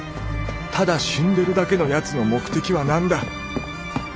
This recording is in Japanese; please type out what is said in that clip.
ただ死んでるだけのヤツの「目的」は何だ？